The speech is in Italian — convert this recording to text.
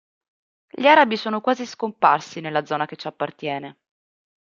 Gli arabi sono quasi scomparsi nella zona che ci appartiene.